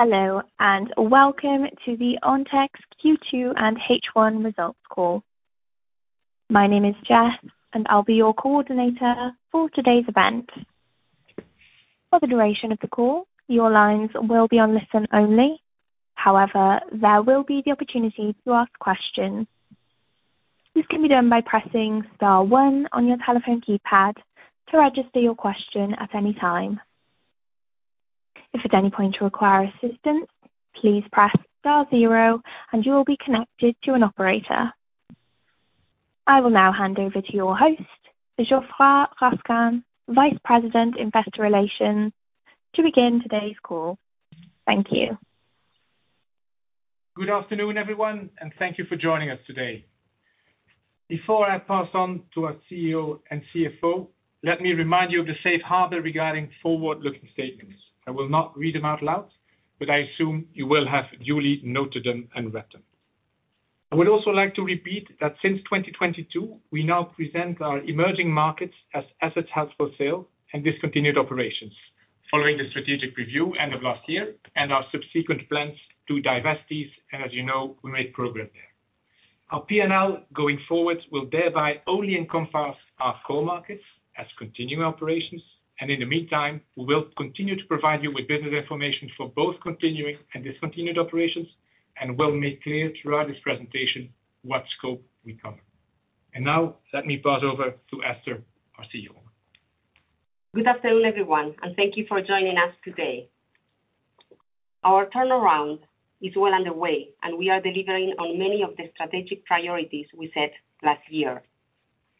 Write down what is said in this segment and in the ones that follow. Hello, and welcome to the Ontex Q2 and H1 Results Call. My name is Jess, and I'll be your coordinator for today's event. For the duration of the call, your lines will be on listen-only. However, there will be the opportunity to ask questions. This can be done by pressing star one on your telephone keypad to register your question at any time. If at any point you require assistance, please press star zero and you will be connected to an operator. I will now hand over to your host, Geoffroy Raskin, Vice President, Investor Relations, to begin today's call. Thank you. Good afternoon, everyone, and thank you for joining us today. Before I pass on to our CEO and CFO, let me remind you of the safe-harbor regarding forward-looking statements. I will not read them out loud, but I assume you will have duly noted them and read them. I would also like to repeat that since 2022, we now present our emerging markets as assets held for sale and discontinued operations following the strategic review end of last year and our subsequent plans to divest these, and as you know, we made progress there. Our P&L going forward will thereby only encompass our core markets as continuing operations, and in the meantime, we will continue to provide you with business information for both continuing and discontinued operations, and we'll make clear throughout this presentation what scope we cover. Now let me pass over to Esther, our CEO. Good afternoon, everyone, and thank you for joining us today. Our turnaround is well underway, and we are delivering on many of the strategic priorities we set last year.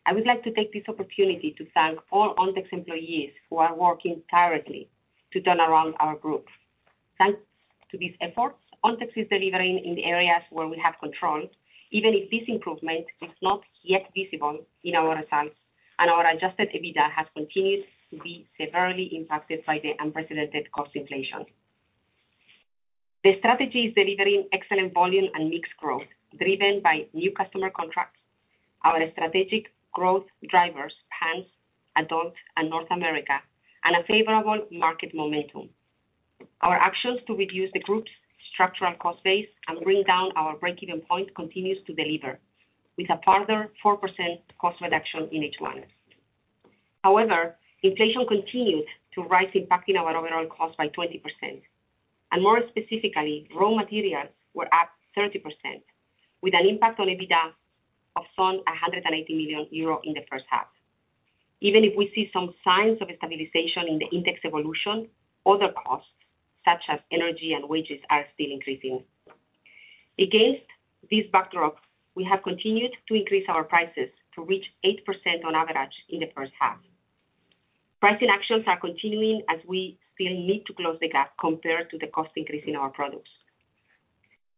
I would like to take this opportunity to thank all Ontex employees who are working tirelessly to turn around our group. Thanks to these efforts, Ontex is delivering in the areas where we have control, even if this improvement is not yet visible in our results and our adjusted EBITDA has continued to be severely impacted by the unprecedented cost inflation. The strategy is delivering excellent volume and mix growth driven by new customer contracts, our strategic growth drivers, pants, adult and North America, and a favorable market momentum. Our actions to reduce the group's structural cost base and bring down our break-even point continues to deliver with a further 4% cost reduction in H1. However, inflation continued to rise, impacting our overall cost by 20%. More specifically, raw materials were up 30% with an impact on EBITDA of some 180 million euro in the first half. Even if we see some signs of stabilization in the index evolution, other costs, such as energy and wages are still increasing. Against this backdrop, we have continued to increase our prices to reach 8% on average in the first half. Pricing actions are continuing as we still need to close the gap compared to the cost increase in our products.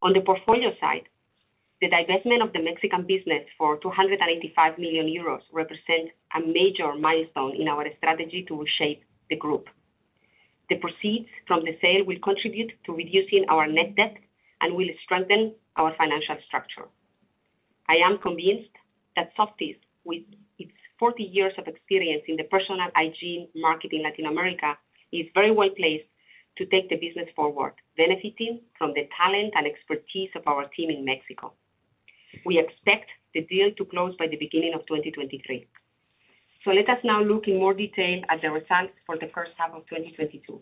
On the portfolio side, the divestment of the Mexican business for 285 million euros represents a major milestone in our strategy to shape the group. The proceeds from the sale will contribute to reducing our net debt and will strengthen our financial structure. I am convinced that Softys, with its 40 years of experience in the personal hygiene market in Latin America, is very well placed to take the business forward, benefiting from the talent and expertise of our team in Mexico. We expect the deal to close by the beginning of 2023. Let us now look in more detail at the results for the first half of 2022.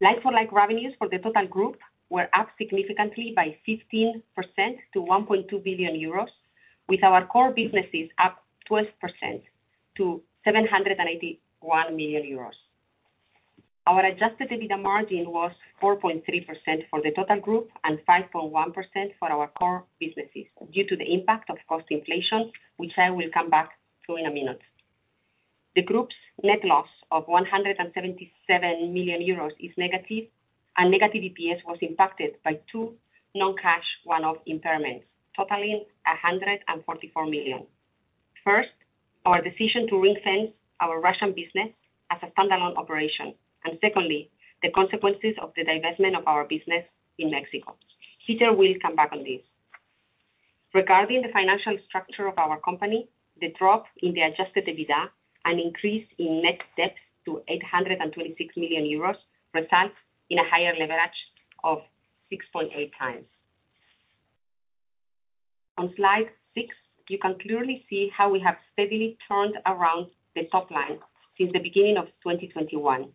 Like-for-like revenues for the total group were up significantly by 15% to 1.2 billion euros, with our core businesses up 12% to 781 million euros. Our adjusted EBITDA margin was 4.3% for the total group and 5.1% for our core businesses due to the impact of cost inflation, which I will come back to in a minute. The group's net loss of 177 million euros is negative, and negative EPS was impacted by two non-cash one-off impairments, totaling 144 million. First, our decision to ring-fence our Russian business as a standalone operation and secondly, the consequences of the divestment of our business in Mexico. Peter will come back on this. Regarding the financial structure of our company, the drop in the adjusted EBITDA and increase in net debt to 826 million euros results in a higher leverage of 6.8x. On slide six, you can clearly see how we have steadily turned around the top line since the beginning of 2021.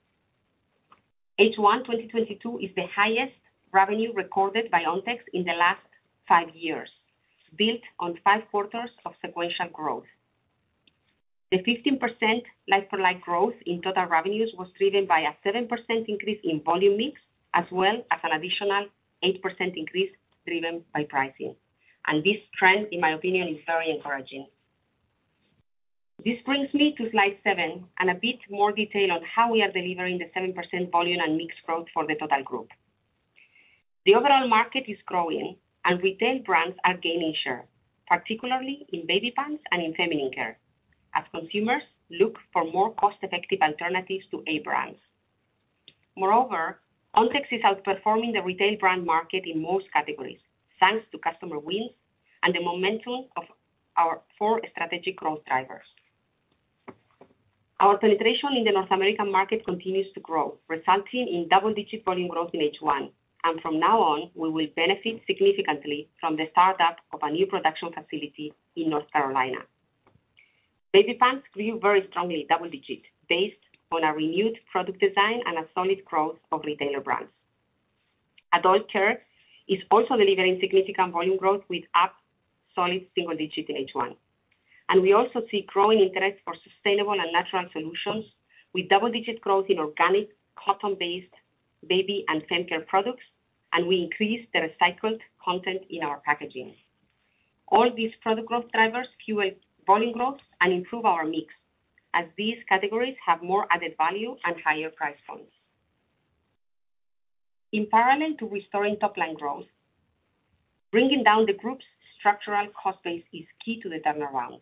H1 2022 is the highest revenue recorded by Ontex in the last 5 years, built on five quarters of sequential growth. The 15% like-for-like growth in total revenues was driven by a 7% increase in volume mix, as well as an additional 8% increase driven by pricing. This trend, in my opinion, is very encouraging. This brings me to slide 7 and a bit more detail on how we are delivering the 7% volume and mix growth for the total group. The overall market is growing, and retail brands are gaining share, particularly in baby pants and in feminine care, as consumers look for more cost-effective alternatives to A-brands. Moreover, Ontex is outperforming the retail brand market in most categories, thanks to customer wins and the momentum of our four strategic growth drivers. Our penetration in the North American market continues to grow, resulting in double-digit volume growth in H1. From now on, we will benefit significantly from the startup of a new production facility in North Carolina. Baby pants grew very strongly double digits based on our renewed product design and a solid growth of retailer brands. Adult care is also delivering significant volume growth with up solid single digits in H1. We also see growing interest for sustainable and natural solutions with double-digit growth in organic, cotton-based baby and femcare products, and we increased the recycled content in our packaging. All these product growth drivers fuel volume growth and improve our mix, as these categories have more added value and higher price points. In parallel to restoring top line growth, bringing down the group's structural cost base is key to the turnaround.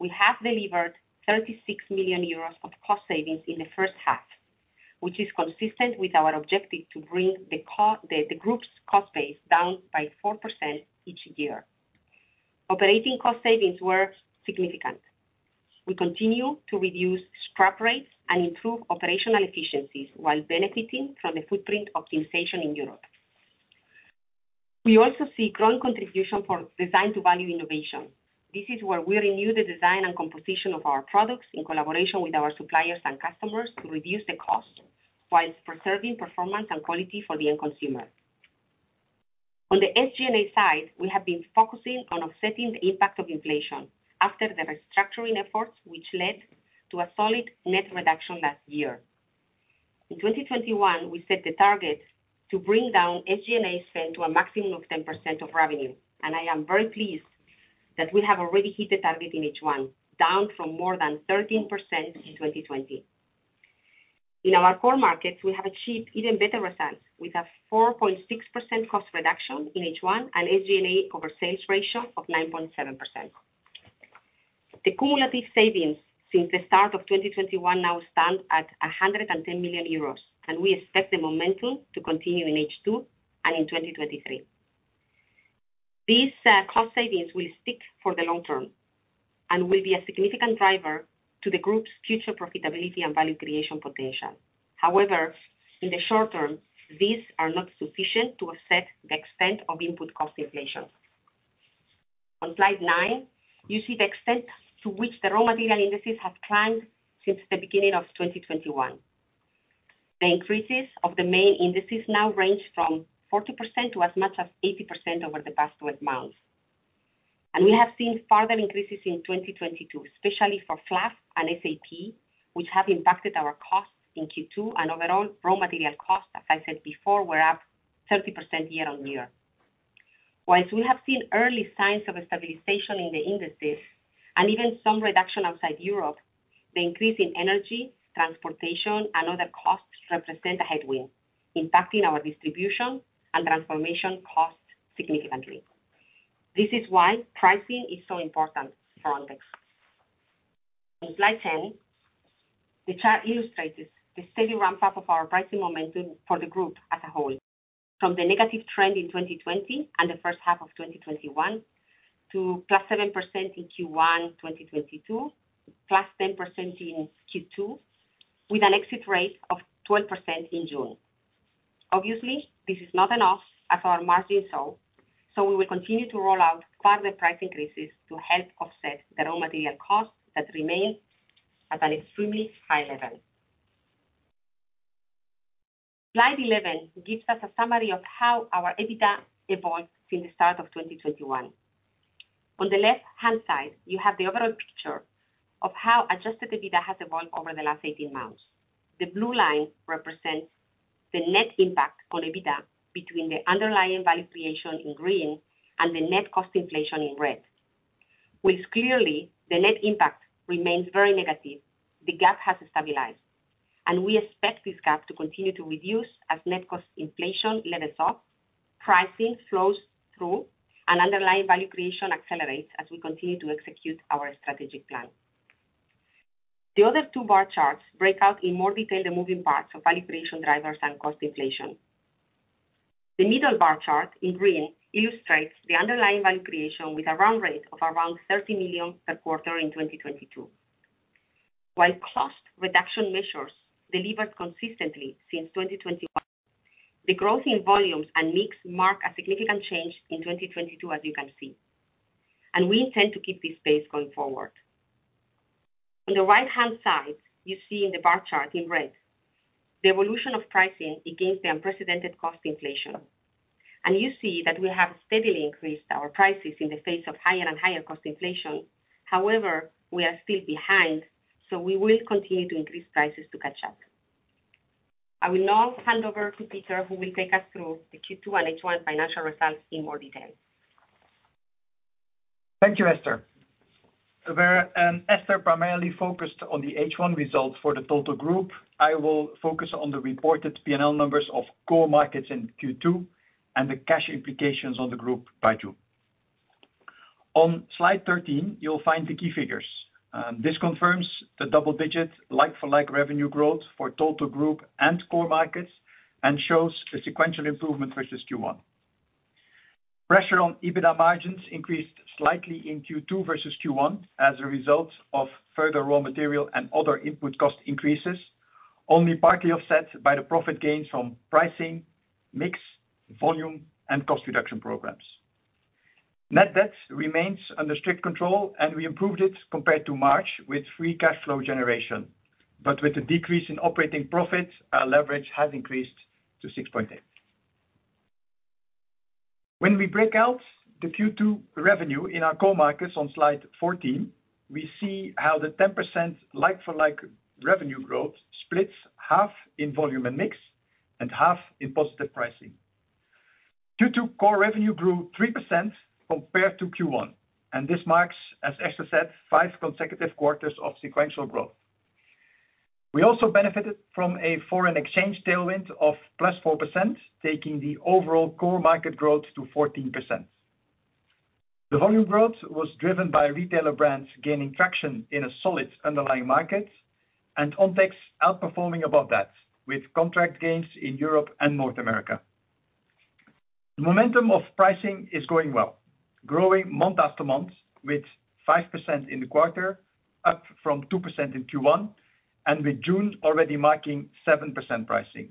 We have delivered 36 million euros of cost savings in the first half, which is consistent with our objective to bring the group's cost base down by 4% each year. Operating cost savings were significant. We continue to reduce scrap rates and improve operational efficiencies while benefiting from the footprint optimization in Europe. We also see growing contribution for Design to Value innovation. This is where we renew the design and composition of our products in collaboration with our suppliers and customers to reduce the cost while preserving performance and quality for the end consumer. On the SG&A side, we have been focusing on offsetting the impact of inflation after the restructuring efforts, which led to a solid net reduction last year. In 2021, we set the target to bring down SG&A spend to a maximum of 10% of revenue, and I am very pleased that we have already hit the target in H1, down from more than 13% in 2020. In our core markets, we have achieved even better results, with a 4.6% cost reduction in H1 and SG&A over sales ratio of 9.7%. The cumulative savings since the start of 2021 now stand at 110 million euros, and we expect the momentum to continue in H2 and in 2023. These cost savings will stick for the long term and will be a significant driver to the group's future profitability and value creation potential. However, in the short term, these are not sufficient to offset the extent of input cost inflation. On slide nine, you see the extent to which the raw material indices have climbed since the beginning of 2021. The increases of the main indices now range from 40% to as much as 80% over the past 12 months. We have seen further increases in 2022, especially for fluff and SAP, which have impacted our costs in Q2 and overall raw material costs, as I said before, were up 30% year-on-year. While we have seen early signs of a stabilization in the indices and even some reduction outside Europe, the increase in energy, transportation, and other costs represent a headwind, impacting our distribution and transformation costs significantly. This is why pricing is so important for Ontex. On slide 10, the chart illustrates the steady ramp-up of our pricing momentum for the group as a whole, from the negative trend in 2020 and the first half of 2021 to +7% in Q1 2022, +10% in Q2, with an exit rate of 12% in June. Obviously, this is not enough as our margins show, so we will continue to roll out further price increases to help offset the raw material costs that remain at an extremely high level. Slide 11 gives us a summary of how our EBITDA evolved since the start of 2021. On the left-hand side, you have the overall picture of how adjusted EBITDA has evolved over the last 18 months. The blue line represents the net impact on EBITDA between the underlying value creation in green and the net cost inflation in red. While clearly the net impact remains very negative, the gap has stabilized, and we expect this gap to continue to reduce as net cost inflation levels off, pricing flows through, and underlying value creation accelerates as we continue to execute our strategic plan. The other two bar charts break out in more detail the moving parts of value creation drivers and cost inflation. The middle bar chart in green illustrates the underlying value creation with a run-rate of around 30 million per quarter in 2022. While cost reduction measures delivered consistently since 2021, the growth in volumes and mix mark a significant change in 2022, as you can see, and we intend to keep this pace going forward. On the right-hand side, you see in the bar chart in red the evolution of pricing against the unprecedented cost inflation. You see that we have steadily increased our prices in the face of higher and higher cost inflation. However, we are still behind, so we will continue to increase prices to catch up. I will now hand over to Peter, who will take us through the Q2 and H1 financial results in more detail. Thank you, Esther. Where Esther primarily focused on the H1 results for the total group, I will focus on the reported P&L numbers of core markets in Q2 and the cash implications on the group Q2. On slide 13, you'll find the key figures. This confirms the double-digit like-for-like revenue growth for total group and core markets and shows a sequential improvement versus Q1. Pressure on EBITDA margins increased slightly in Q2 versus Q1 as a result of further raw material and other input cost increases, only partly offset by the profit gains from pricing, mix, volume, and cost reduction programs. Net debt remains under strict control, and we improved it compared to March with free cash flow generation. With the decrease in operating profits, our leverage has increased to 6.8. When we break out the Q2 revenue in our core markets on slide 14, we see how the 10% like-for-like revenue growth splits half in volume and mix and half in positive pricing. Q2 core revenue grew 3% compared to Q1, and this marks, as Esther said, 5 consecutive quarters of sequential growth. We also benefited from a foreign exchange tailwind of +4%, taking the overall core market growth to 14%. The volume growth was driven by retailer brands gaining traction in a solid underlying market and Ontex outperforming above that with contract gains in Europe and North America. The momentum of pricing is going well, growing month after month with 5% in the quarter, up from 2% in Q1, and with June already marking 7% pricing.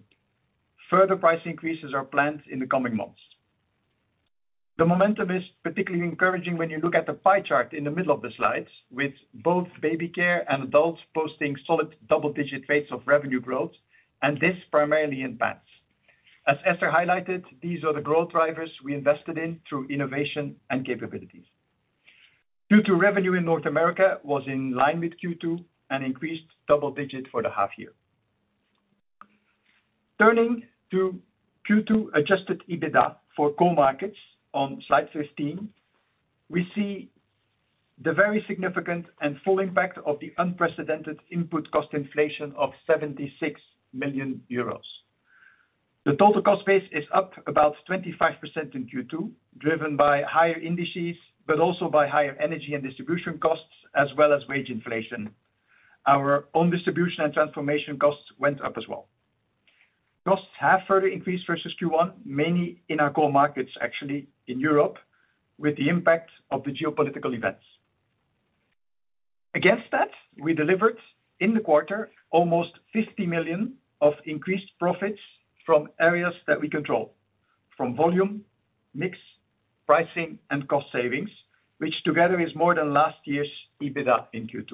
Further price increases are planned in the coming months. The momentum is particularly encouraging when you look at the pie chart in the middle of the slide, with baby care and adult care posting solid double-digit rates of revenue growth, and this primarily in pants. As Esther highlighted, these are the growth drivers we invested in through innovation and capabilities. Q2 revenue in North America was in line with Q2 and increased double digits for the half year. Turning to Q2 adjusted EBITDA for core markets on slide 15, we see the very significant and full impact of the unprecedented input cost inflation of 76 million euros. The total cost base is up about 25% in Q2, driven by higher indices, but also by higher energy and distribution costs as well as wage inflation. Our own distribution and transformation costs went up as well. Costs have further increased versus Q1, mainly in our core markets, actually in Europe, with the impact of the geopolitical events. Against that, we delivered in the quarter almost 50 million of increased profits from areas that we control, from volume, mix, pricing, and cost savings, which together is more than last year’s EBITDA in Q2.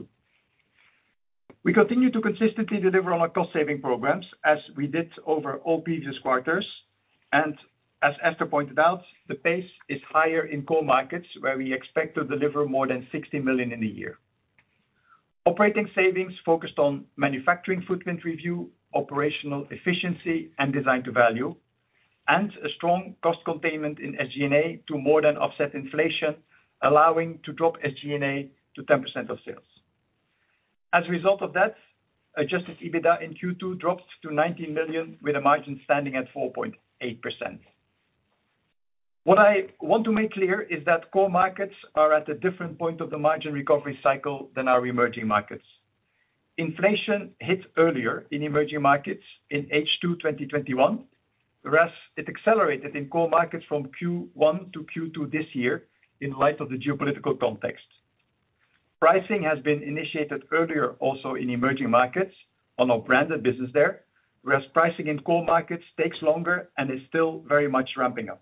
We continue to consistently deliver on our cost-savings programs as we did over all previous quarters, and as Esther pointed out, the pace is higher in core markets, where we expect to deliver more than 60 million in a year. Operating savings focused on manufacturing footprint review, operational efficiency, and Design to Value, and a strong cost containment in SG&A to more than offset inflation, allowing to drop SG&A to 10% of sales. As a result of that, adjusted EBITDA in Q2 dropped to 19 million, with a margin standing at 4.8%. What I want to make clear is that core markets are at a different point of the margin recovery cycle than our emerging markets. Inflation hit earlier in emerging markets in H2 2021, whereas it accelerated in core markets from Q1 to Q2 this year in light of the geopolitical context. Pricing has been initiated earlier also in emerging markets on our branded business there, whereas pricing in core markets takes longer and is still very much ramping up.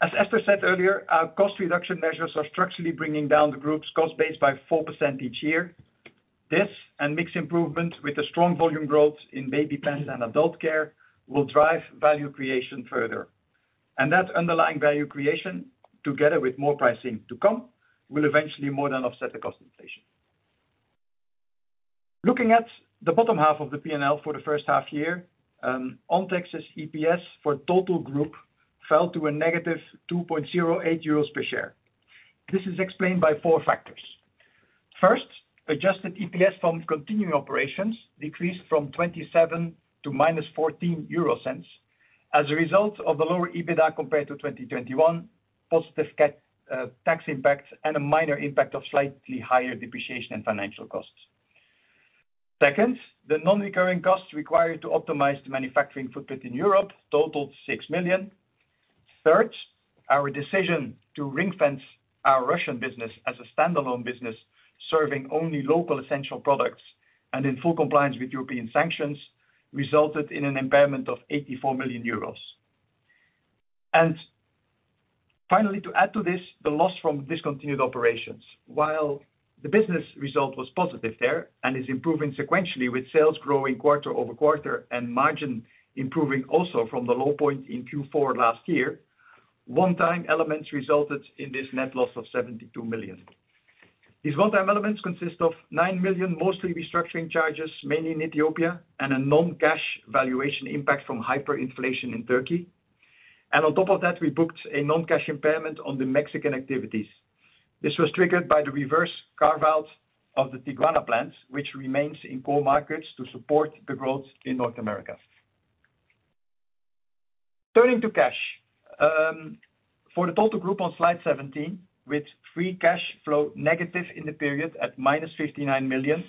As Esther said earlier, our cost reduction measures are structurally bringing down the group's cost base by 4% each year. This and mix improvement with a strong volume growth in baby care and adult care will drive value creation further. That underlying value creation, together with more pricing to come, will eventually more than offset the cost inflation. Looking at the bottom half of the P&L for the first half year, Ontex's EPS for total group fell to a negative 0.08 euros per share. This is explained by four factors. First, adjusted EPS from continuing operations decreased from 0.27 to -0.14 as a result of the lower EBITDA compared to 2021, positive tax impact, and a minor impact of slightly higher depreciation and financial costs. Second, the non-recurring costs required to optimize the manufacturing footprint in Europe totaled 6 million. Third, our decision to ring-fence our Russian business as a standalone business, serving only local essential products and in full compliance with European sanctions, resulted in an impairment of 84 million euros. Finally, to add to this, the loss from discontinued operations. While the business result was positive there and is improving sequentially with sales growing quarter over quarter and margin improving also from the low point in Q4 last year, one-time elements resulted in this net loss of 72 million. These one-time elements consist of 9 million, mostly restructuring charges, mainly in Ethiopia, and a non-cash valuation impact from hyperinflation in Turkey. On top of that, we booked a non-cash impairment on the Mexican activities. This was triggered by the reverse carve-out of the Tijuana plant, which remains in core markets to support the growth in North America. Turning to cash, for the total group on slide 17, with free cash flow negative in the period at -59 mil lion.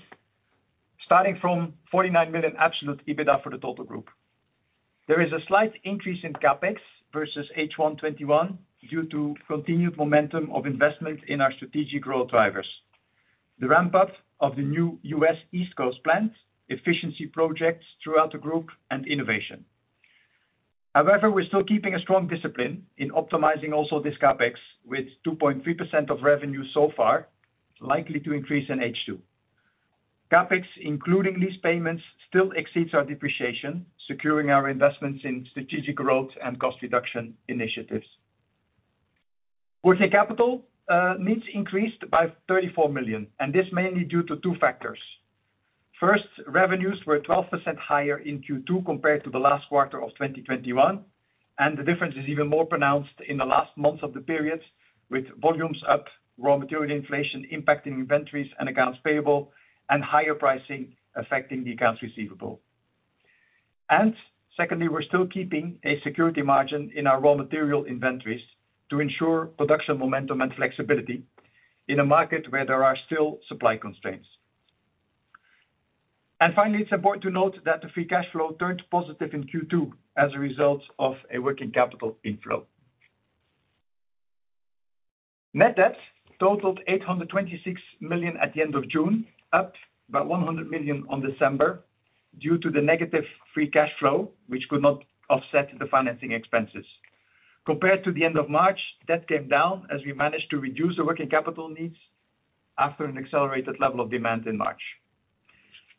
Starting from 49 million absolute EBITDA for the total group. There is a slight increase in CapEx versus H1 2021 due to continued momentum of investment in our strategic growth drivers. The ramp-up of the new US East Coast plants, efficiency projects throughout the group, and innovation. However, we're still keeping a strong discipline in optimizing also this CapEx with 2.3% of revenue so far, likely to increase in H2. CapEx, including lease payments, still exceeds our depreciation, securing our investments in strategic growth and cost reduction initiatives. Working capital needs increased by 34 million, and this mainly due to two factors. First, revenues were 12% higher in Q2 compared to the last quarter of 2021, and the difference is even more pronounced in the last months of the periods, with volumes up, raw material inflation impacting inventories and accounts payable, and higher pricing affecting the accounts receivable. Secondly, we're still keeping a security margin in our raw material inventories to ensure production momentum and flexibility in a market where there are still supply constraints. Finally, it's important to note that the free cash flow turned positive in Q2 as a result of a working capital inflow. Net debt totaled 826 million at the end of June, up by 100 million on December due to the negative free cash flow, which could not offset the financing expenses. Compared to the end of March, debt came down as we managed to reduce the working capital needs after an accelerated level of demand in March.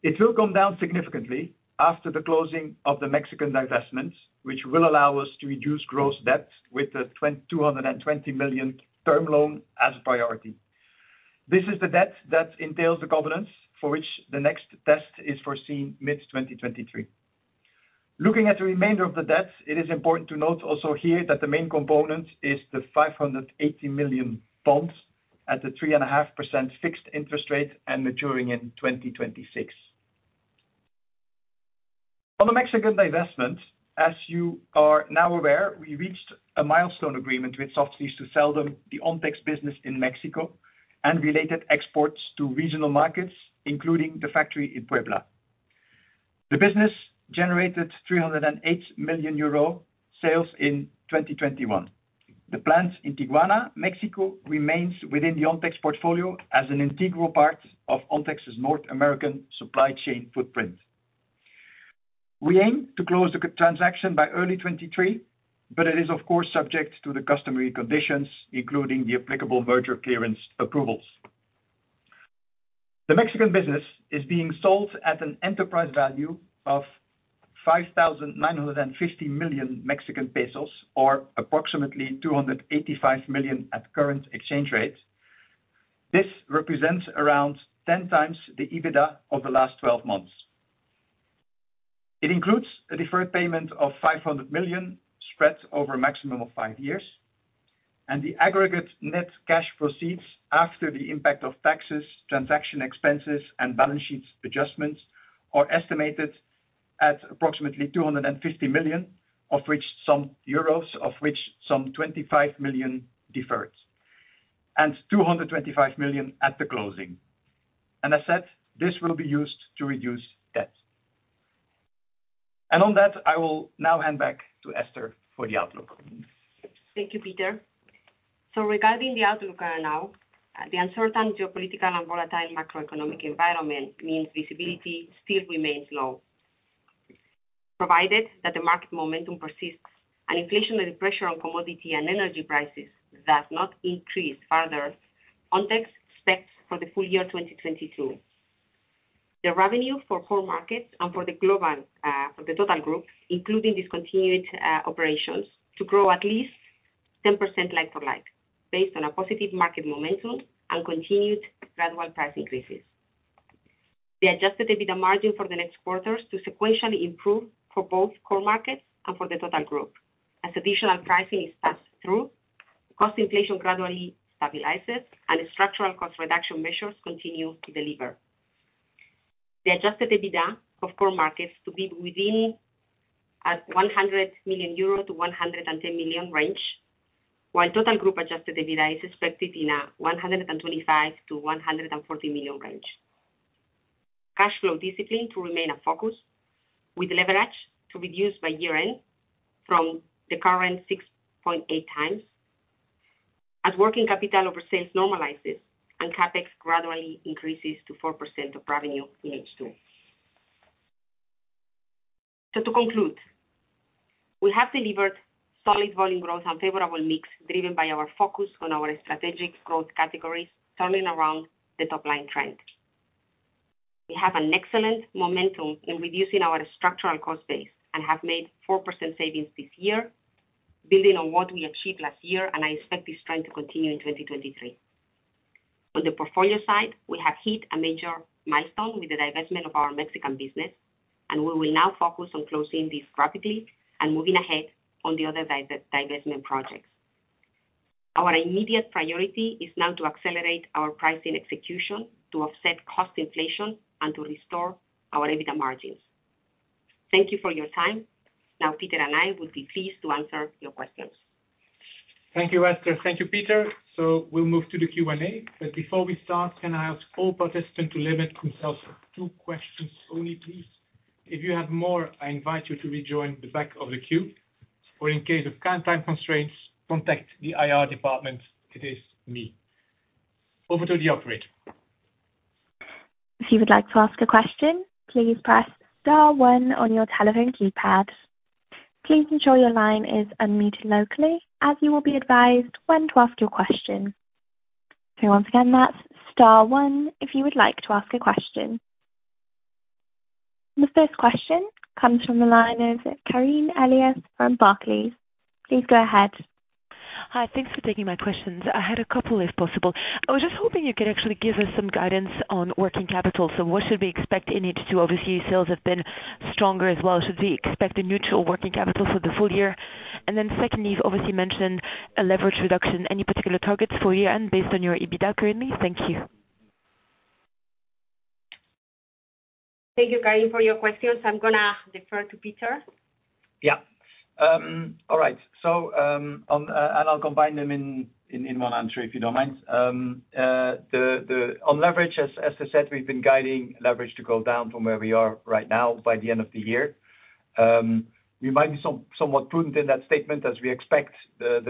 It will come down significantly after the closing of the Mexican divestments, which will allow us to reduce gross debt with the 220 million term loan as priority. This is the debt that entails the governance for which the next test is foreseen mid-2023. Looking at the remainder of the debt, it is important to note also here that the main component is the 580 million bonds at the 3.5% fixed interest rate and maturing in 2026. On the Mexican divestment, as you are now aware, we reached a milestone agreement with Softys to sell them the Ontex business in Mexico and related exports to regional markets, including the factory in Puebla. The business generated 308 million euro sales in 2021. The plant in Tijuana, Mexico, remains within the Ontex portfolio as an integral part of Ontex's North American supply chain footprint. We aim to close the transaction by early 2023, but it is of course subject to the customary conditions, including the applicable merger clearance approvals. The Mexican business is being sold at an enterprise value of 5,950 million Mexican pesos, or approximately 285 million at current exchange rates. This represents around 10x the EBITDA of the last twelve months. It includes a deferred payment of 500 million spread over a maximum of 5 years, and the aggregate net cash proceeds after the impact of taxes, transaction expenses, and balance sheet adjustments are estimated at approximately 250 million, of which 25 million deferred and 225 million at the closing. As I said, this will be used to reduce debt. On that, I will now hand back to Esther for the outlook. Thank you, Peter. Regarding the outlook now, the uncertain geopolitical and volatile macroeconomic environment means visibility still remains low. Provided that the market momentum persists and inflationary pressure on commodity and energy prices does not increase further, Ontex expects for the full year 2022. The revenue for core markets and for the total group, including discontinued operations, to grow at least 10% like-for-like, based on a positive market momentum and continued gradual price increases. The adjusted EBITDA margin for the next quarters to sequentially improve for both core markets and for the total group. As additional pricing is passed through, cost inflation gradually stabilizes, and structural cost reduction measures continue to deliver. The adjusted EBITDA of core markets to be within a 100 million-110 million euro range, while total group adjusted EBITDA is expected in a 125 million-140 million range. Cash flow discipline to remain a focus with leverage to reduce by year-end from the current 6.8x as working capital over sales normalizes and CapEx gradually increases to 4% of revenue in H2. To conclude, we have delivered solid volume growth and favorable mix driven by our focus on our strategic growth categories, turning around the top line trend. We have an excellent momentum in reducing our structural cost base and have made 4% savings this year building on what we achieved last year, and I expect this trend to continue in 2023. On the portfolio side, we have hit a major milestone with the divestment of our Mexican business, and we will now focus on closing this rapidly and moving ahead on the other divestment projects. Our immediate priority is now to accelerate our pricing execution to offset cost inflation and to restore our EBITDA margins. Thank you for your time. Now Peter and I will be pleased to answer your questions. Thank you, Esther. Thank you, Peter. We'll move to the Q&A. Before we start, can I ask all participants to limit themselves to two questions only, please. If you have more, I invite you to rejoin the back of the queue, or in case of time constraints, contact the IR department. It is me. Over to the operator. If you would like to ask a question, please press star one on your telephone keypad. Please ensure your line is unmuted locally as you will be advised when to ask your question. Once again, that's star one if you would like to ask a question. The first question comes from the line of Karine Elias from Barclays. Please go ahead. Hi. Thanks for taking my questions. I had a couple, if possible. I was just hoping you could actually give us some guidance on working capital. What should we expect in H2? Obviously, sales have been stronger as well. Should we expect a neutral working capital for the full year? Secondly, you've obviously mentioned a leverage reduction. Any particular targets for year-end based on your EBITDA currently? Thank you. Thank you, Karine, for your questions. I'm gonna defer to Peter. Yeah. All right. I'll combine them in one answer, if you don't mind. On leverage, as I said, we've been guiding leverage to go down from where we are right now by the end of the year. We might be somewhat prudent in that statement as we expect the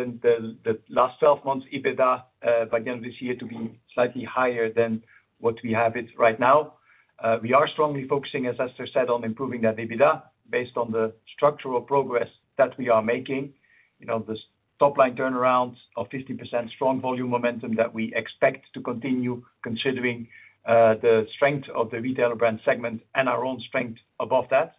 last twelve months EBITDA by the end of this year to be slightly higher than what we have it right now. We are strongly focusing, as Esther said, on improving that EBITDA based on the structural progress that we are making. You know, this top-line turnaround of 50% strong volume momentum that we expect to continue considering the strength of the retailer brand segment and our own strength above that.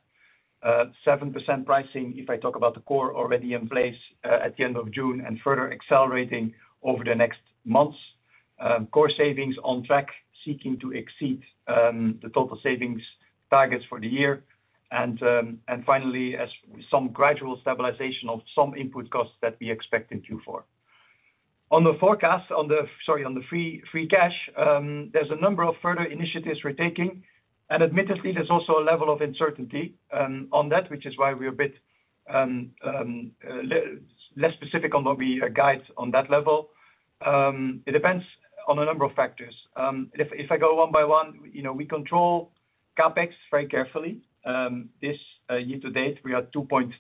7% pricing, if I talk about the core already in place at the end of June and further accelerating over the next months. Core savings on track, seeking to exceed the total savings targets for the year. Finally, as some gradual stabilization of some input costs that we expect in Q4. On the free cash, there's a number of further initiatives we're taking. Admittedly, there's also a level of uncertainty on that, which is why we're a bit less specific on what we guide on that level. It depends on a number of factors. If I go one by one, you know, we control CapEx very carefully. This year to date, we are 2.3%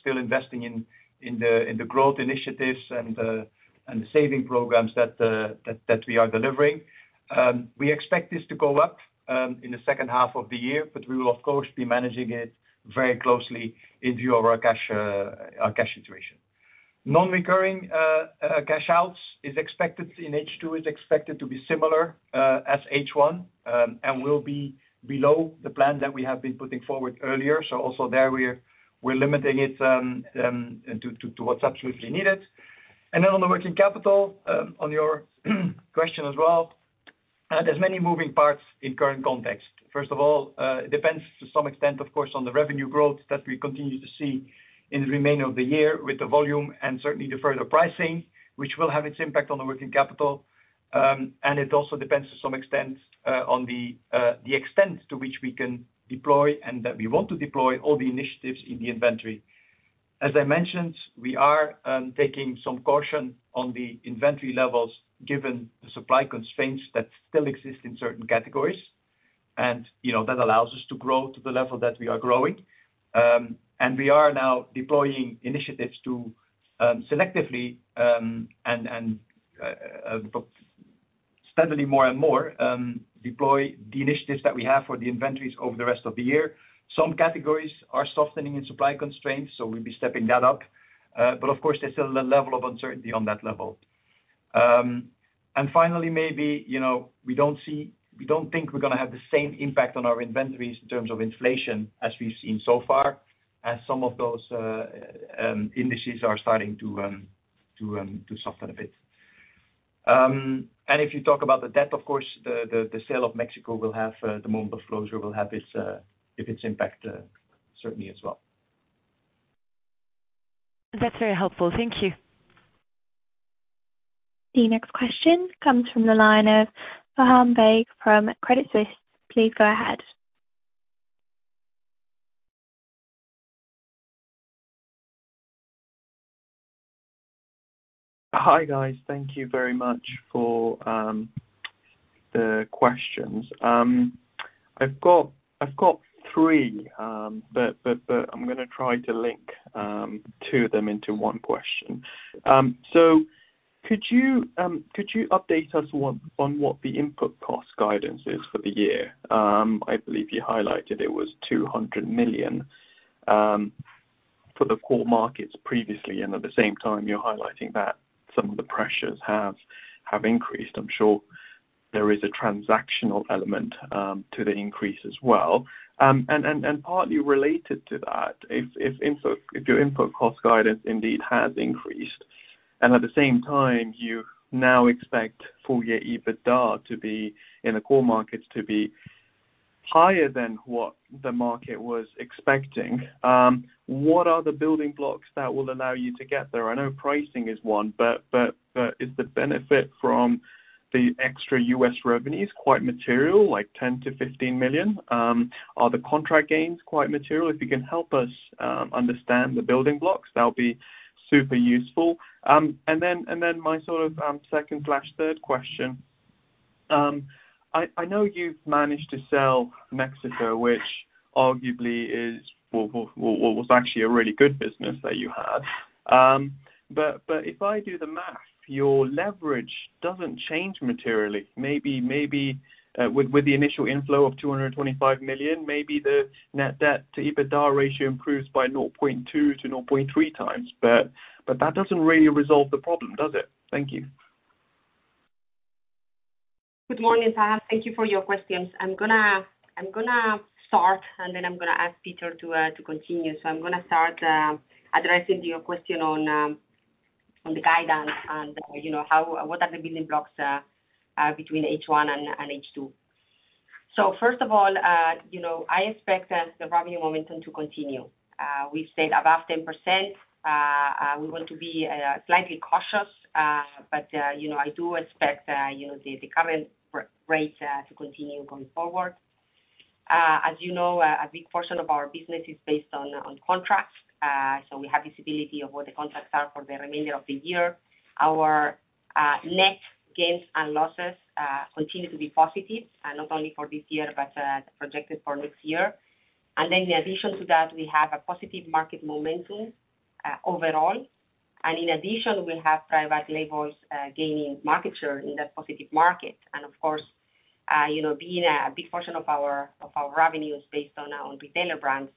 still investing in the growth initiatives and the saving programs that we are delivering. We expect this to go up in the second half of the year, but we will, of course, be managing it very closely in view of our cash situation. Non-recurring cash outs is expected in H2, is expected to be similar as H1, and will be below the plan that we have been putting forward earlier. So also there we're limiting it to what's absolutely needed. Then on the working capital, on your question as well, there's many moving parts in current context. First of all, it depends to some extent, of course, on the revenue growth that we continue to see in the remainder of the year with the volume and certainly the further pricing, which will have its impact on the working capital. It also depends to some extent on the extent to which we can deploy and that we want to deploy all the initiatives in the inventory. As I mentioned, we are taking some caution on the inventory levels given the supply constraints that still exist in certain categories. You know, that allows us to grow to the level that we are growing. We are now deploying initiatives to selectively and steadily more and more deploy the initiatives that we have for the inventories over the rest of the year. Some categories are softening in supply constraints, so we'll be stepping that up. Of course, there's still a level of uncertainty on that level. Finally, maybe, you know, we don't think we're gonna have the same impact on our inventories in terms of inflation as we've seen so far. Some of those indices are starting to soften a bit. If you talk about the debt, of course, the sale of Mexico will have, the moment of closure will have its impact, certainly as well. That's very helpful. Thank you. The next question comes from the line of Bram Vigh from Credit Suisse. Please go ahead. Hi, guys. Thank you very much for the questions. I've got three, but I'm gonna try to link two of them into one question. So could you update us on what the input cost guidance is for the year? I believe you highlighted it was 200 million for the core markets previously, and at the same time, you're highlighting that some of the pressures have increased. I'm sure there is a transactional element to the increase as well. Partly related to that, if your input cost guidance indeed has increased and at the same time you now expect full-year EBITDA to be in the core markets to be higher than what the market was expecting, what are the building blocks that will allow you to get there? I know pricing is one, but is the benefit from the extra US revenues quite material, like 10-15 million? Are the contract gains quite material? If you can help us understand the building blocks, that'll be super useful. Then my sort of second/third question. I know you've managed to sell Mexico, which arguably was actually a really good business that you had. If I do the math, your leverage doesn't change materially. Maybe with the initial inflow of 225 million, maybe the net debt to EBITDA ratio improves by 0.2-0.3 times. That doesn't really resolve the problem, does it? Thank you. Good morning, Bram. Thank you for your questions. I'm gonna start, and then I'm gonna ask Peter to continue. I'm gonna start addressing your question on the guidance and, you know, how what are the building blocks between H1 and H2. First of all, you know, I expect the revenue momentum to continue. We've stayed above 10%. We want to be slightly cautious. But you know, I do expect you know, the current run-rate to continue going forward. As you know, a big portion of our business is based on contracts. We have visibility of what the contracts are for the remainder of the year. Our net gains and losses continue to be positive, not only for this year, but projected for next year. Then in addition to that, we have a positive market momentum overall. In addition, we have private label gaining market share in that positive market. Of course, you know, being a big portion of our revenue is based on our own retailer brands,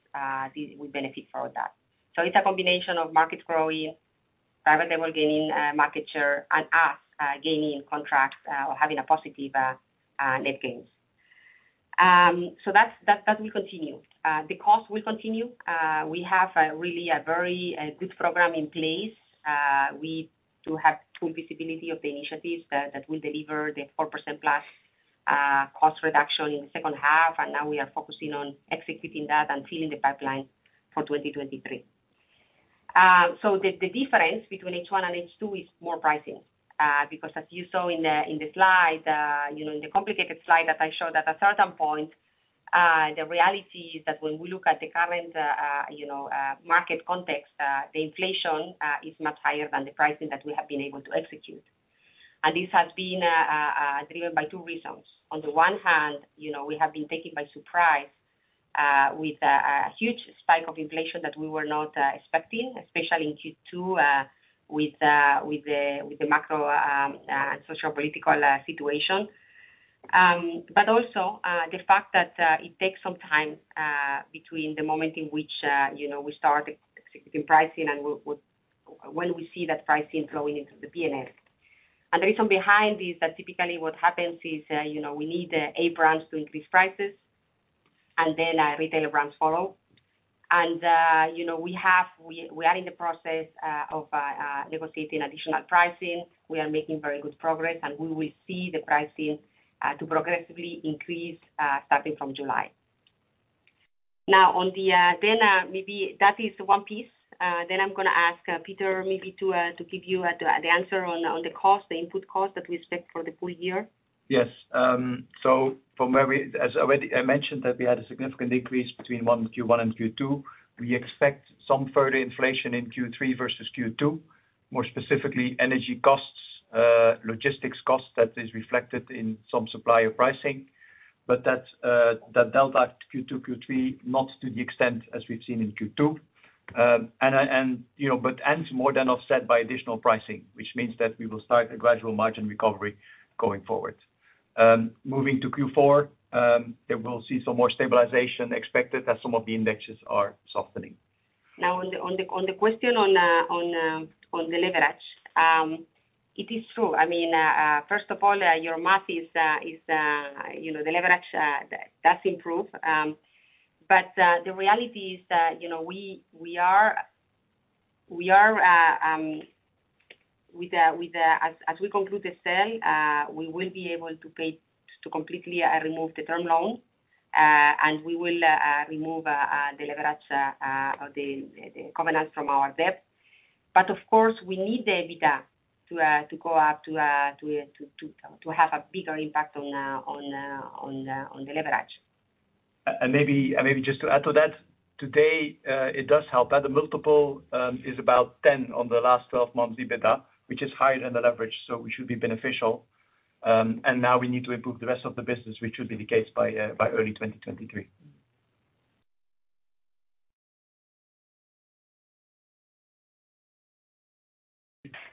this will benefit for that. It's a combination of market growing, private label gaining market share, and us gaining contracts or having a positive net gains. That will continue. The cost will continue. We have a really very good program in place. We do have full visibility of the initiatives that will deliver the 4%+ cost reduction in the second half. Now we are focusing on executing that and filling the pipeline for 2023. The difference between H1 and H2 is more pricing. Because as you saw in the slide, in the complicated slide that I showed at a certain point, the reality is that when we look at the current market context, the inflation is much higher than the pricing that we have been able to execute. This has been driven by two reasons. On the one hand, you know, we have been taken by surprise with a huge spike of inflation that we were not expecting, especially in Q2, with the macrosociopolitical situation. But also, the fact that it takes some time between the moment in which, you know, we start executing pricing and when we see that pricing flowing into the P&L. The reason behind this is that typically what happens is, you know, we need A-brands to increase prices and then retailer brands follow. You know, we are in the process of negotiating additional pricing. We are making very good progress, and we will see the pricing to progressively increase starting from July. Now, then, maybe that is one piece. I'm gonna ask Peter maybe to give you the answer on the cost, the input cost that we expect for the full year. Yes. As I already mentioned that we had a significant increase between Q1 and Q2. We expect some further inflation in Q3 versus Q2. More specifically, energy costs, logistics costs that is reflected in some supplier pricing. But that's the delta Q2, Q3, not to the extent as we've seen in Q2. You know, but it's more than offset by additional pricing, which means that we will start a gradual margin recovery going forward. Moving to Q4, then we'll see some more stabilization expected as some of the indexes are softening. Now on the question on the leverage. It is true. I mean, first of all, your math is, you know, the leverage does improve. The reality is that, you know, as we conclude the sale, we will be able to pay to completely remove the term loan. We will remove the leverage covenants from our debt. Of course, we need the EBITDA to go up to have a bigger impact on the leverage. Maybe just to add to that, today, it does help that the multiple is about 10 on the last 12 months EBITDA, which is higher than the leverage, so we should be beneficial. Now we need to improve the rest of the business, which should be the case by early 2023.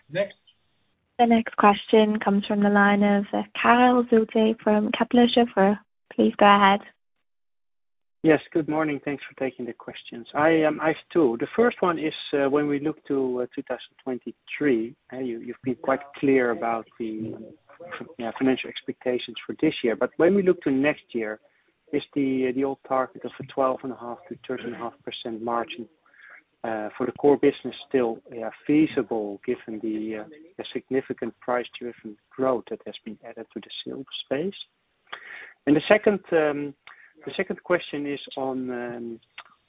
Next. The next question comes from the line of Karel Zoete from Kepler Cheuvreux. Please go ahead. Yes. Good morning. Thanks for taking the questions. I have two. The first one is, when we look to 2023, you've been quite clear about the, yeah, financial expectations for this year. When we look to next year, is the old target of the 12.5%–13.5% margin for the core business still feasible given the significant price-driven growth that has been added to the space? The second question is on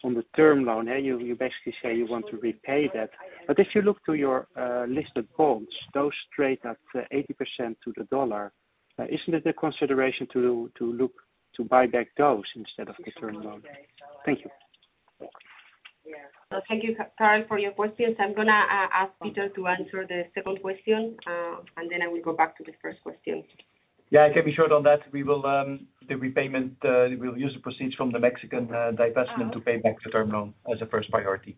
the term loan. You basically say you want to repay that. If you look to your listed bonds, those trade at 80% to the dollar. Isn't it a consideration to look to buy back those instead of the term loan? Thank you. Thank you, Karel, for your questions. I'm gonna ask Peter to answer the second question, and then I will go back to the first question. Yeah. I can be short on that. We'll use the proceeds from the Mexican divestment to pay back the term loan as a first priority.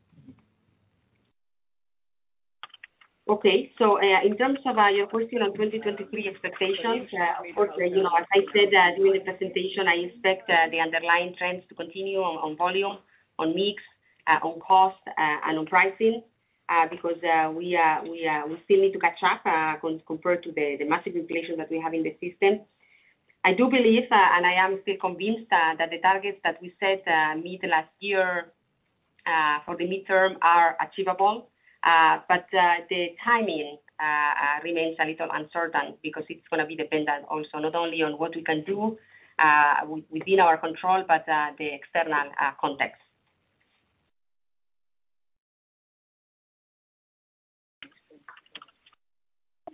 Okay. In terms of our question on 2023 expectations, of course, you know, as I said during the presentation, I expect the underlying trends to continue on volume, on mix, on cost, and on pricing, because we still need to catch up compared to the massive inflation that we have in the system. I do believe, and I am still convinced, that the targets that we set mid last year for the midterm are achievable. The timing remains a little uncertain because it's gonna be dependent also not only on what we can do within our control, but the external context.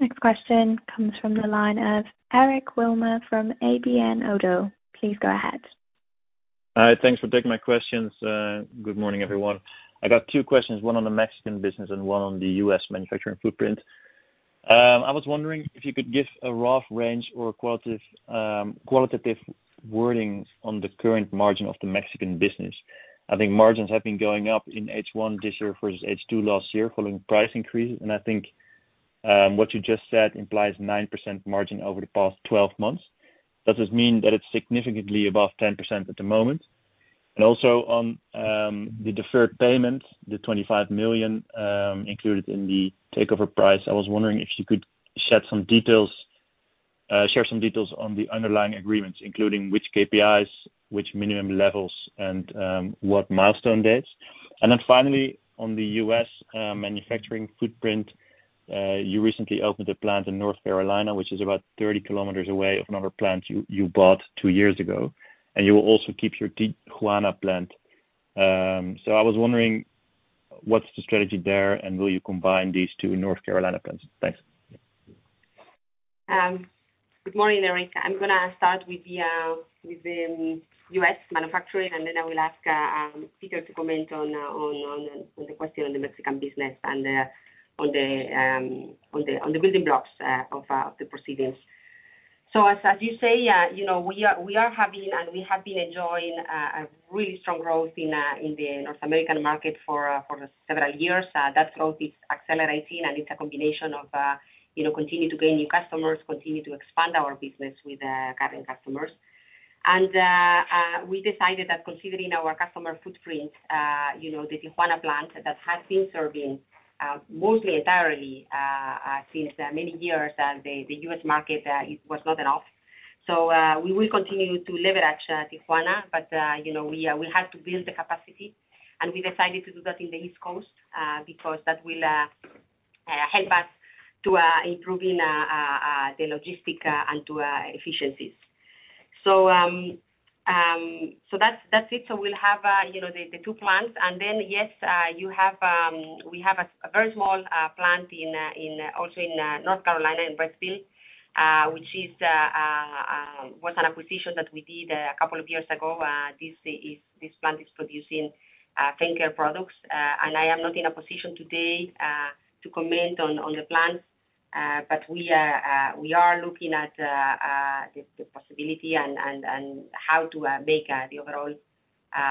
Next question comes from the line of Eric Wilmer from ABN AMRO. Please go ahead. Hi. Thanks for taking my questions. Good morning, everyone. I got two questions, one on the Mexican business and one on the US manufacturing footprint. I was wondering if you could give a rough range or a qualitative wording on the current margin of the Mexican business. I think margins have been going up in H1 this year for H2 last year following price increases. I think what you just said implies 9% margin over the past 12 months. Does this mean that it's significantly above 10% at the moment? Also on the deferred payment, the 25 million included in the takeover price, I was wondering if you could share some details on the underlying agreements, including which KPIs, which minimum levels, and what milestone dates. Finally, on the U.S. manufacturing footprint, you recently opened a plant in North Carolina, which is about 30 kilometers away from another plant you bought 2 years ago, and you will also keep your Tijuana plant. I was wondering, what's the strategy there and will you combine these two North Carolina plants? Thanks. Good morning, Eric. I'm gonna start with the US manufacturing, and then I will ask Peter to comment on the question on the Mexican business and the building blocks of the proceedings. As you say, you know, we are having, and we have been enjoying, a really strong growth in the North American market for several years. That growth is accelerating and it's a combination of, you know, continue to gain new customers, continue to expand our business with current customers. We decided that considering our customer footprint, you know, the Tijuana plant that has been serving mostly entirely since many years the U.S. market, it was not enough. We will continue to leverage Tijuana, but you know, we have to build the capacity and we decided to do that in the East Coast because that will help us to improving the logistics and to efficiencies. That's it. We'll have, you know, the two plants. Then, yes, we have a very small plant in also in North Carolina in Stokesdale, which was an acquisition that we did a couple of years ago. This plant is producing skincare products. I am not in a position today to comment on the plants, but we are looking at the possibility and how to make the overall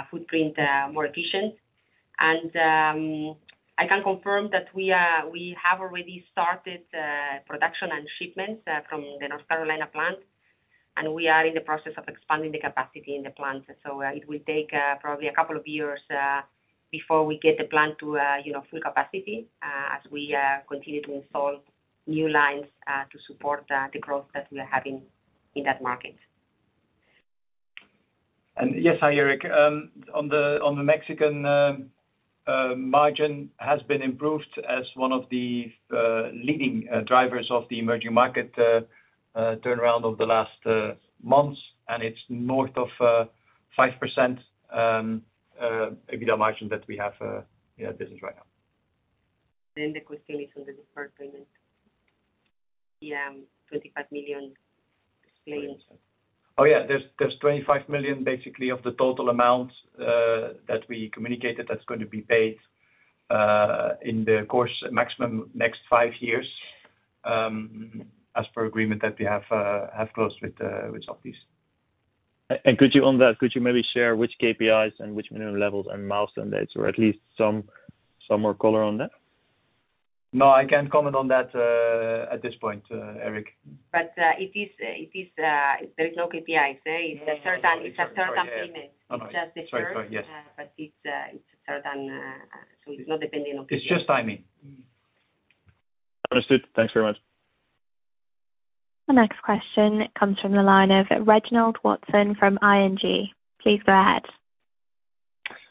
footprint more efficient. I can confirm that we have already started production and shipments from the North Carolina plant, and we are in the process of expanding the capacity in the plant. It will take probably a couple of years before we get the plant to full capacity, you know, as we continue to install new lines to support the growth that we are having in that market. Yes, hi, Eric. On the Mexican margin has been improved as one of the leading drivers of the emerging market turnaround over the last months, and it's north of 5% EBITDA margin that we have in our business right now. The question is on the deferred payment. The 25 million savings. Oh, yeah. There's 25 million basically of the total amount that we communicated that's going to be paid in the course maximum next five years as per agreement that we have closed with Softys. Could you maybe share which KPIs and which minimum levels and milestone dates or at least some more color on that? No, I can't comment on that at this point, Eric. It is. There is no KPIs. There is a certain payment. Oh, no. Sorry. Yeah. It's just the first. Sorry. Sorry. Yes. It's a certainty, so it's not dependent on KPIs. It's just timing. Understood. Thanks very much. The next question comes from the line of Reginald Watson from ING. Please go ahead.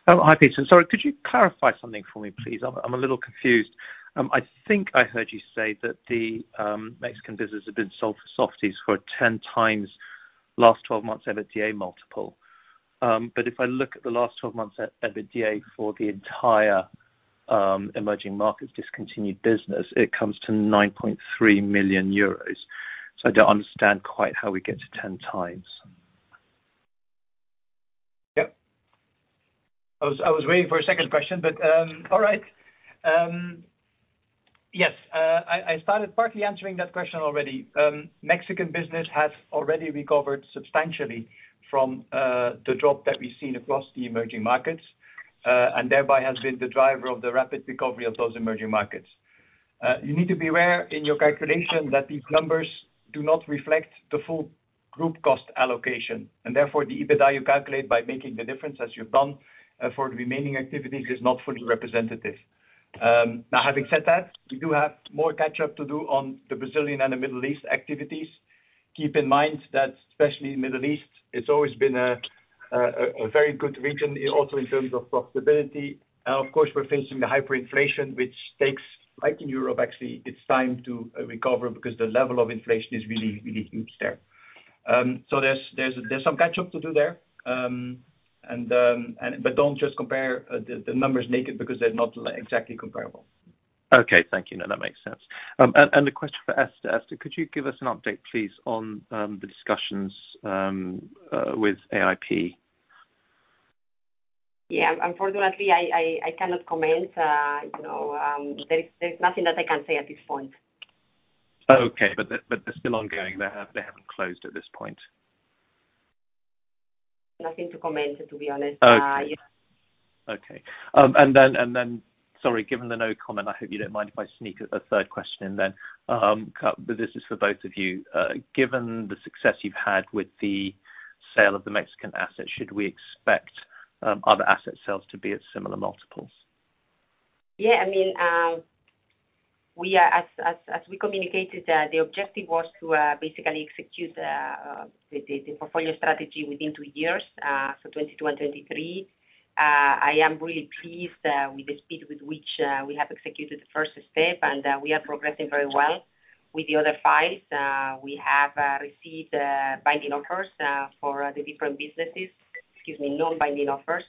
Oh, hi, Peter. Sorry, could you clarify something for me, please? I'm a little confused. I think I heard you say that the Mexican business had been sold to Softys for 10x last twelve months' EBITDA multiple. But if I look at the last twelve months EBITDA for the entire emerging markets discontinued business, it comes to 9.3 million euros. I don't understand quite how we get to 10x. Yeah. I was waiting for a second question, but, all right. Yes, I started partly answering that question already. Mexican business has already recovered substantially from the drop that we've seen across the emerging markets, and thereby has been the driver of the rapid recovery of those emerging markets. You need to be aware in your calculation that these numbers do not reflect the full group cost allocation, and therefore the EBITDA you calculate by making the difference as you've done for the remaining activities is not fully representative. Now having said that, we do have more catch-up to do on the Brazilian and the Middle East activities. Keep in mind that especially in Middle East, it's always been a very good region also in terms of profitability. Of course, we're facing the hyperinflation, which takes, like in Europe actually, it's time to recover because the level of inflation is really huge there. There's some catch-up to do there. Don't just compare the numbers naked because they're not exactly comparable. Okay. Thank you. No, that makes sense. A question for Esther. Esther, could you give us an update, please, on the discussions with AIP? Yeah. Unfortunately, I cannot comment. You know, there's nothing that I can say at this point. Okay. They're still ongoing. They haven't closed at this point. Nothing to comment, to be honest. Yeah. Okay. Sorry, given the no comment, I hope you don't mind if I sneak a third question in then. This is for both of you. Given the success you've had with the sale of the Mexican assets, should we expect other asset sales to be at similar multiples? I mean, as we communicated, the objective was to basically execute the portfolio strategy within two years, so 2022 and 2023. I am really pleased with the speed with which we have executed the first step, and we are progressing very well with the other files. We have received binding offers for the different businesses. Excuse me, non-binding offers.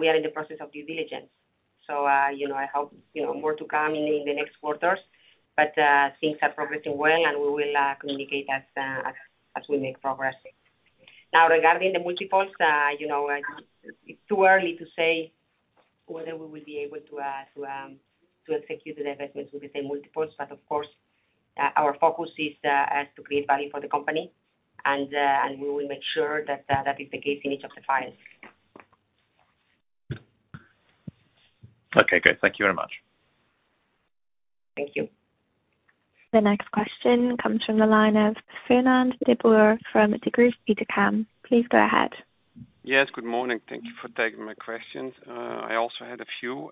We are in the process of due diligence. You know, I hope, you know, more to come in the next quarters. Things are progressing well, and we will communicate as we make progress. Now, regarding the multiples, you know, it's too early to say whether we will be able to execute the divestments with the same multiples. Of course, our focus is to create value for the company and we will make sure that is the case in each of the files. Okay, good. Thank you very much. Thank you. The next question comes from the line of Fernand de Boer from Degroof Petercam. Please go ahead. Yes, good morning. Thank you for taking my questions. I also had a few.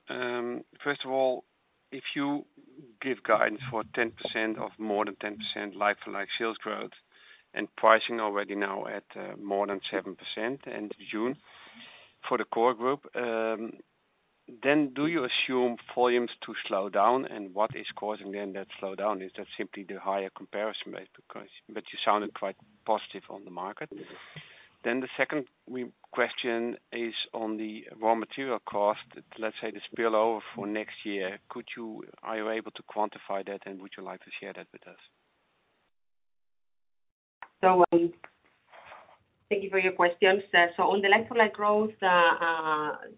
First of all, if you give guidance for 10% or more than 10% like-for-like sales growth and pricing already now at more than 7% in June for the core group, then do you assume volumes to slow down, and what is causing then that slowdown? Is that simply the higher comparison rate? You sounded quite positive on the market. Then the second question is on the raw material cost. Let's say the spillover for next year. Are you able to quantify that, and would you like to share that with us? Thank you for your questions. On the like-for-like growth,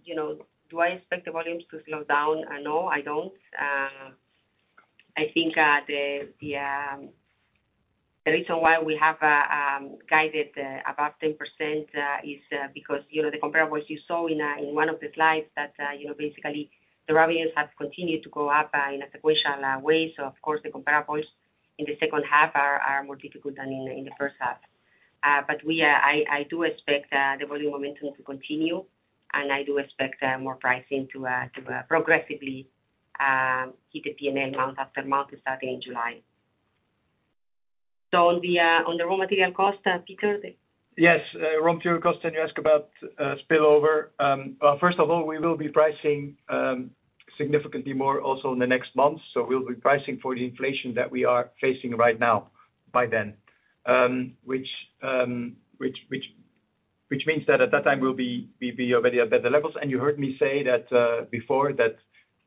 you know, do I expect the volumes to slow down? No, I don't. I think the reason why we have guided above 10% is because, you know, the comparables you saw in one of the slides that you know basically the revenues have continued to go up in a sequential way. Of course, the comparables in the second half are more difficult than in the first half. But I do expect the volume momentum to continue, and I do expect more pricing to progressively hit the P&L month after month starting in July. On the raw material cost, Peter? Yes. Raw material cost, and you ask about spillover. First of all, we will be pricing significantly more also in the next months. We'll be pricing for the inflation that we are facing right now by then, which means that at that time we'll be already at better levels. You heard me say that before, that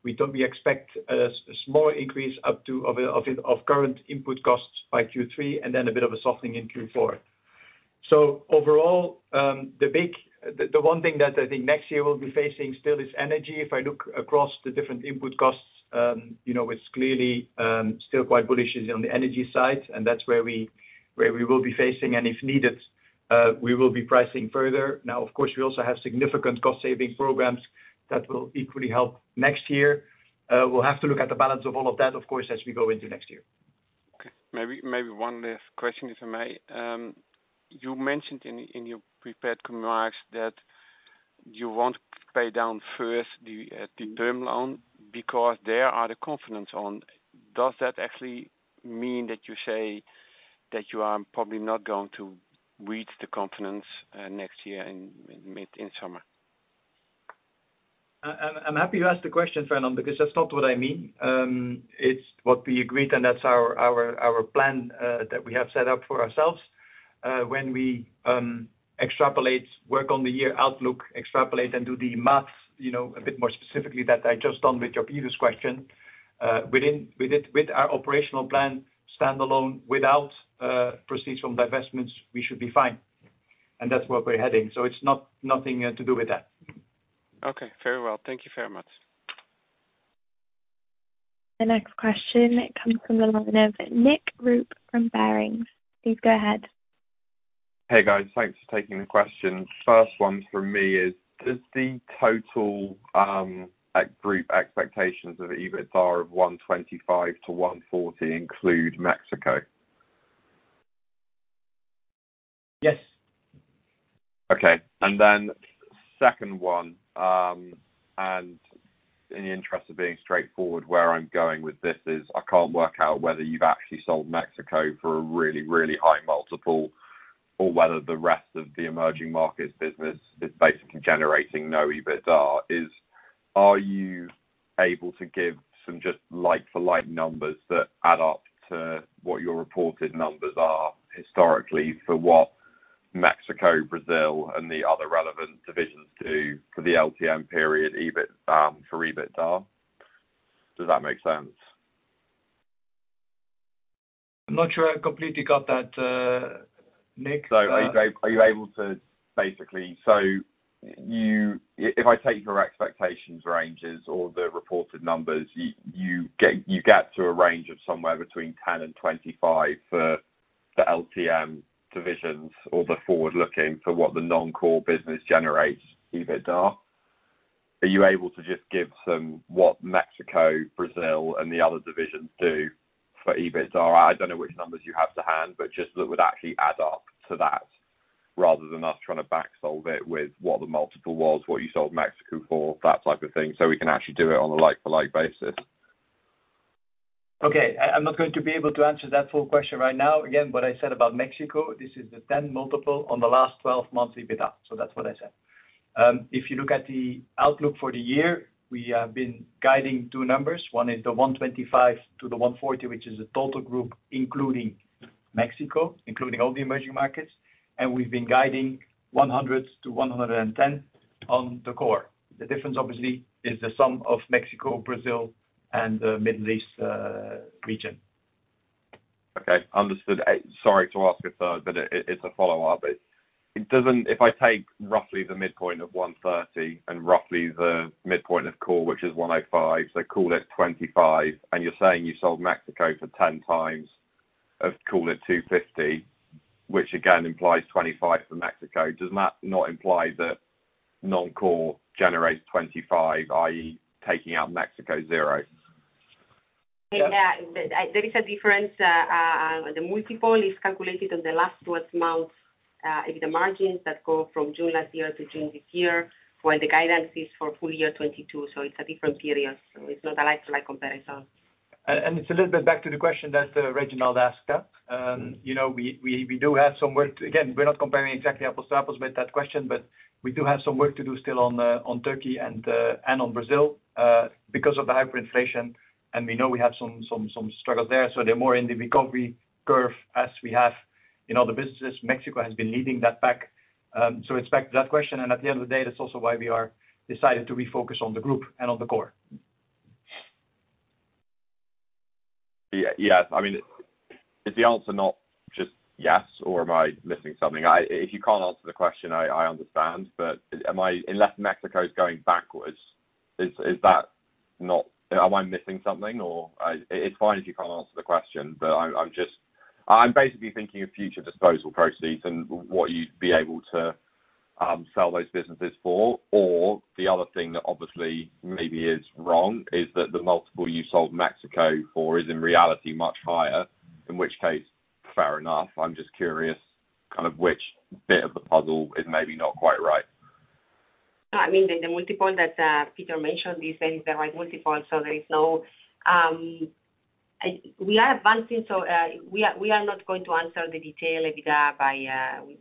we expect a small increase up to of current input costs by Q3 and then a bit of a softening in Q4. Overall, the one thing that I think next year we'll be facing still is energy. If I look across the different input costs, you know, it's clearly still quite bullish on the energy side, and that's where we will be facing. If needed, we will be pricing further. Now, of course, we also have significant cost-savings programs that will equally help next year. We'll have to look at the balance of all of that, of course, as we go into next year. Okay. Maybe one last question, if I may. You mentioned in your prepared remarks that you want to pay down first the term loan because there are the covenants on. Does that actually mean that you say that you are probably not going to reach the covenants next year in midsummer? I'm happy you asked the question, Fernand, because that's not what I mean. It's what we agreed, and that's our plan that we have set up for ourselves. When we extrapolate, work on the year outlook, and do the math, you know, a bit more specifically than I just did with your previous question. With our operational plan standalone, without proceeds from divestments, we should be fine. That's where we're heading. It's not nothing to do with that. Okay, very well. Thank you very much. The next question comes from the line of Nick Ruis from Barings. Please go ahead. Hey, guys. Thanks for taking the questions. First one from me is, does the total at group expectations of EBITDA of 125–140 include Mexico? Yes. Okay. Second one, in the interest of being straightforward, where I'm going with this is I can't work out whether you've actually sold Mexico for a really, really high multiple, or whether the rest of the emerging markets business is basically generating no EBITDA is, are you able to give some just like-for-like numbers that add up to what your reported numbers are historically for what Mexico, Brazil, and the other relevant divisions do for the LTM period EBIT for EBITDA? Does that make sense? I'm not sure I completely got that, Nick. If I take your expectations ranges or the reported numbers, you get to a range of somewhere between 10 and 25 for the LTM divisions or the forward-looking for what the non-core business generates EBITDA. Are you able to just give us what Mexico, Brazil and the other divisions do for EBITDA? I don't know which numbers you have to hand, but just that would actually add up to that rather than us trying to back solve it with what the multiple was, what you sold Mexico for, that type of thing, so we can actually do it on a like-for-like basis. I'm not going to be able to answer that full question right now. Again, what I said about Mexico, this is the 10x multiple on the last twelve months' EBITDA. That's what I said. If you look at the outlook for the year, we have been guiding two numbers. One is the 125–140, which is a total group, including Mexico, including all the emerging markets. We've been guiding 100–110 on the core. The difference, obviously, is the sum of Mexico, Brazil, and the Middle East region. Okay. Understood. Sorry to ask a third, but it's a follow-up. It doesn't. If I take roughly the midpoint of 130 and roughly the midpoint of core, which is 105, so call it 25, and you're saying you sold Mexico for 10x call it 250, which again implies 25 for Mexico. Does that not imply that non-core generates 25 million, i.e., taking out Mexico zero? Yeah. Yeah. There is a difference. The multiple is calculated on the last twelve months' EBITDA margins that go from June last year to June this year, where the guidance is for full year 2022, so it's a different period, so it's not a like-for-like comparison. It's a little bit back to the question that Reginald asked. You know, we do have some work. Again, we're not comparing exactly apples to apples with that question, but we do have some work to do still on Turkey and on Brazil because of the hyperinflation, and we know we have some struggles there. They're more in the recovery curve as we have in other businesses. Mexico has been leading that pack. It's back to that question, and at the end of the day, that's also why we've decided to refocus on the group and on the core. Yeah, yeah. I mean, is the answer not just yes, or am I missing something? If you can't answer the question, I understand. Unless Mexico is going backwards, is that not? Am I missing something, or it's fine if you can't answer the question, but I'm just. I'm basically thinking of future disposal proceeds and what you'd be able to sell those businesses for. The other thing that obviously maybe is wrong is that the multiple you sold Mexico for is in reality much higher, in which case, fair enough. I'm just curious, kind of which bit of the puzzle is maybe not quite right. No, I mean, the multiple that Peter mentioned, we said is the right multiple, so there is no. We are advancing, so we are not going to answer the detailed EBITDA by.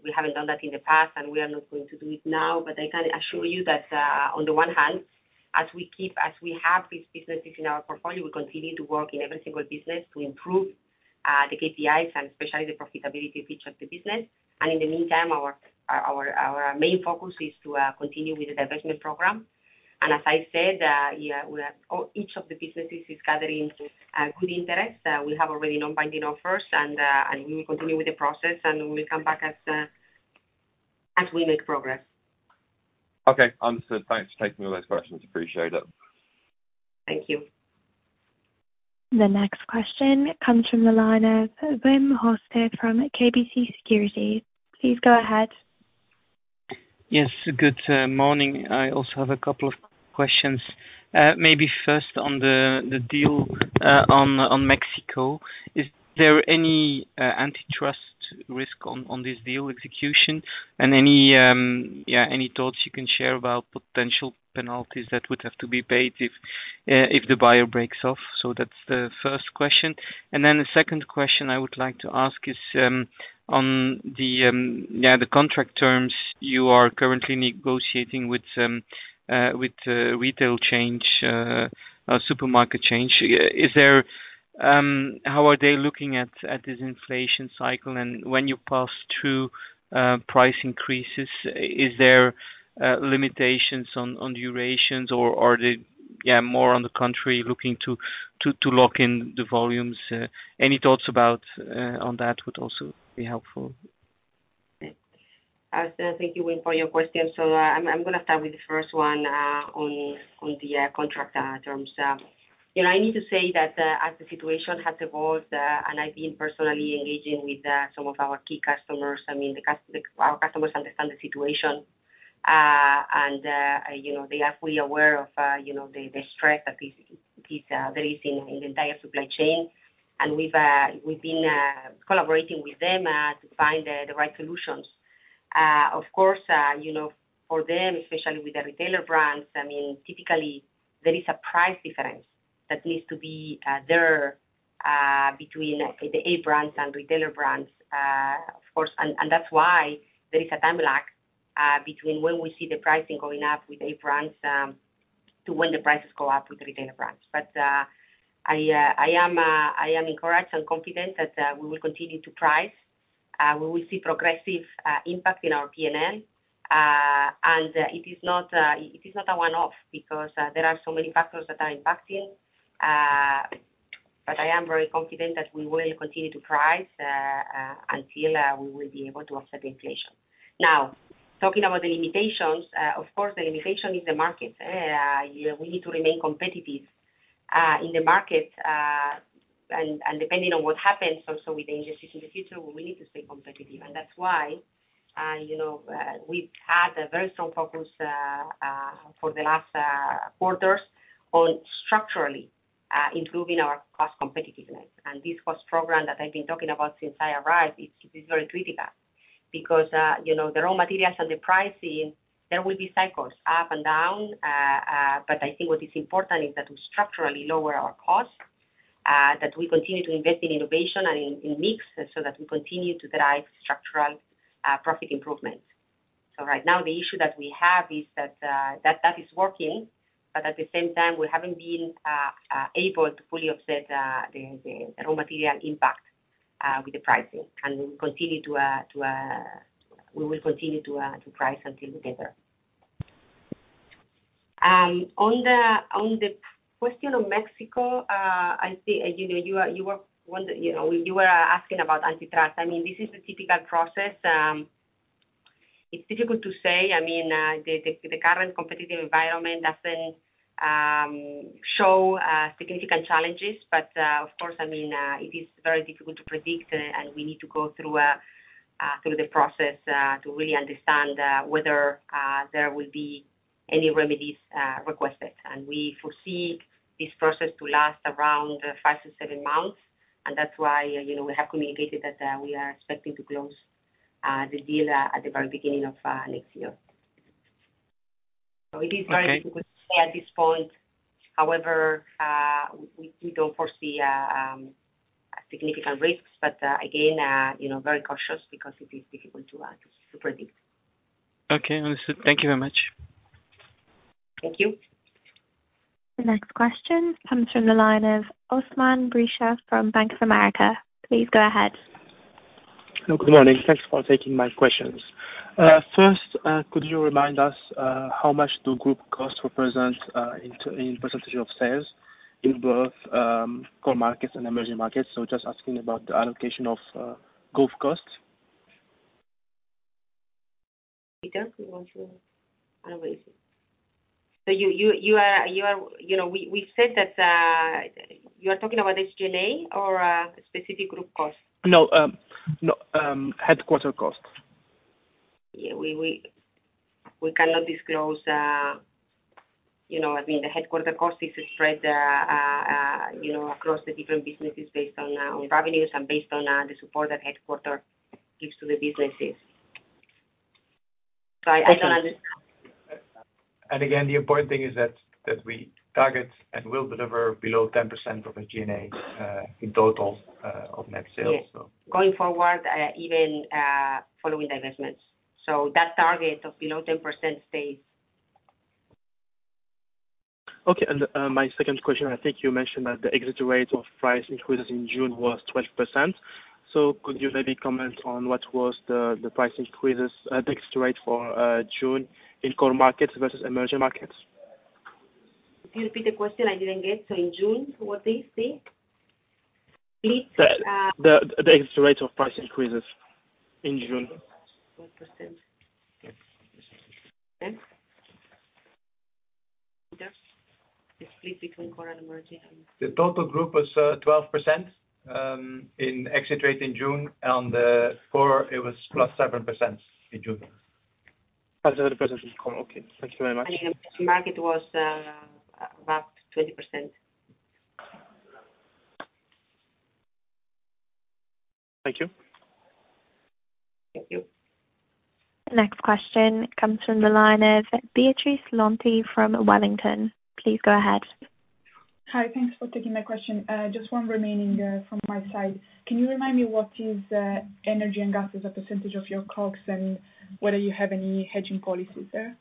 We haven't done that in the past, and we are not going to do it now. I can assure you that, on the one hand, as we have these businesses in our portfolio, we continue to work in every single business to improve the KPIs and especially the profitability feature of the business. In the meantime, our main focus is to continue with the divestment program. As I said, we have. Each of the businesses is gathering good interest. We have already non-binding offers and we will continue with the process and we'll come back as we make progress. Okay. Understood. Thanks for taking all those questions. Appreciate it. Thank you. The next question comes from the line of Wim Hoste from KBC Securities. Please go ahead. Yes. Good morning. I also have a couple of questions. Maybe first on the deal on Mexico. Is there any antitrust risk on this deal execution? Any thoughts you can share about potential penalties that would have to be paid if the buyer breaks off? That's the first question. The second question I would like to ask is on the contract terms you are currently negotiating with retail chains, supermarket chains, is there- How are they looking at this inflation cycle? When you pass through price increases, is there limitations on durations or are they more on the country looking to lock in the volumes? Any thoughts about on that would also be helpful. Okay. Thank you, Wim, for your question. I'm gonna start with the first one on the contract terms. You know, I need to say that as the situation has evolved and I've been personally engaging with some of our key customers. I mean, our customers understand the situation. You know, they are fully aware of you know, the stress that there is in the entire supply chain. We've been collaborating with them to find the right solutions. Of course, you know, for them, especially with the Retailer Brands, I mean, typically there is a price difference that needs to be there between the A-brands and retailer brands. Of course, and that's why there is a time lag between when we see the pricing going up with A-brands to when the prices go up with the retailer brands. I am encouraged and confident that we will continue to price. We will see progressive impact in our P&L. It is not a one-off because there are so many factors that are impacting. I am very confident that we will continue to price until we will be able to offset inflation. Now, talking about the limitations, of course, the limitation is the market. You know, we need to remain competitive in the market. depending on what happens also with industries in the future, we need to stay competitive. That's why, you know, we've had a very strong focus for the last quarters on structurally improving our cost competitiveness. This cost program that I've been talking about since I arrived, it's very critical because, you know, the raw materials and the pricing, there will be cycles up and down. I think what is important is that we structurally lower our costs, that we continue to invest in innovation and in mix so that we continue to drive structural profit improvement. Right now the issue that we have is that is working, but at the same time, we haven't been able to fully offset the raw material impact with the pricing. We will continue to price until we get there. On the question of Mexico, I see, you know, you were asking about antitrust. I mean, this is a typical process. It's difficult to say. I mean, the current competitive environment doesn't show significant challenges. Of course, I mean, it is very difficult to predict and we need to go through the process to really understand whether there will be any remedies requested. We foresee this process to last around 5–7 months. That's why, you know, we have communicated that we are expecting to close the deal at the very beginning of next year. Okay. Difficult to say at this point. However, we don't foresee significant risks. Again, you know, very cautious because it is difficult to predict. Okay. Understood. Thank you very much. Thank you. The next question comes from the line of Osman Brice from Bank of America. Please go ahead. Good morning. Thanks for taking my questions. First, could you remind us how much do group costs represent in percentage of sales in both core markets and emerging markets? Just asking about the allocation of group costs. Peter, do you want to analyze it? We said that you are talking about SG&A or specific group costs? No, headquarters costs. Yeah. We cannot disclose, you know, I mean, the headquarters costs is spread, you know, across the different businesses based on revenues and based on the support that headquarters gives to the businesses. So I– Again, the important thing is that we target and will deliver below 10% of SG&A in total of net sales, so. Yes. Going forward, even following divestments. That target of below 10% stays. Okay. My second question, I think you mentioned that the exit rate of price increases in June was 12%. Could you maybe comment on what was the price increases exit rate for June in core markets versus emerging markets? Could you repeat the question? I didn't get. In June, what did he say? Please, The exit rate of price increases in June. 12%. Yes. Okay. Peter, the split between core and emerging and- The total group was 12% in exit rate in June. The core, it was +7% in June. +7% in core. Okay. Thank you very much. In emerging market was about 20%. Thank you. Thank you. The next question comes from the line of Beatrice Lount from Wellington. Please go ahead. Hi. Thanks for taking my question. Just one remaining, from my side. Can you remind me what is, energy and gas as a percentage of your costs and whether you have any hedging policies there?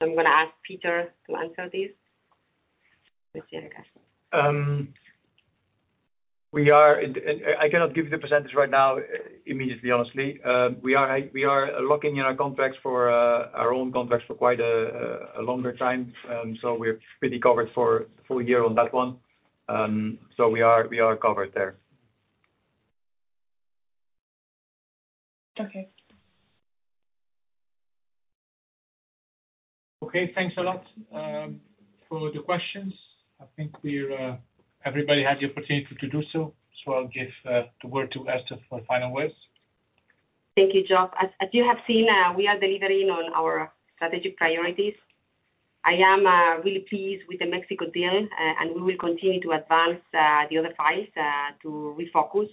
I'm gonna ask Peter to answer this. I cannot give you the percentage right now immediately, honestly. We are locking in our contracts for our own contracts for quite a longer time. We're pretty covered for full year on that one. We are covered there. Okay. Okay. Thanks a lot for the questions. I think everybody had the opportunity to do so. I'll give the word to Esther for final words. Thank you. As you have seen, we are delivering on our strategic priorities. I am really pleased with the Mexico deal. We will continue to advance the other files to refocus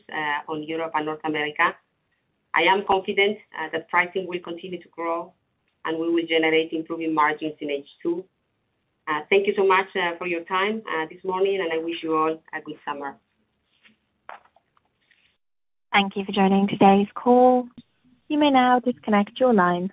on Europe and North America. I am confident that pricing will continue to grow, and we will generate improving margins in H2. Thank you so much for your time this morning, and I wish you all a good summer. Thank you for joining today's call. You may now disconnect your lines.